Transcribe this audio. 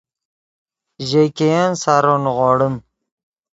ژے ګئین سارو نیغوڑیم